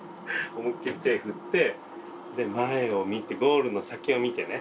思いっきり手振って前を見てゴールの先を見てね。